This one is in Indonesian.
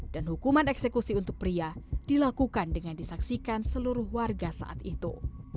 dan hukuman eksekusi untuk pria dilakukan dengan disaksikan seluruh warga saat itu